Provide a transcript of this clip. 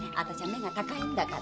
目が高いんだから。